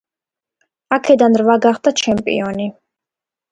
აქედან რვა გახდა ჩემპიონი.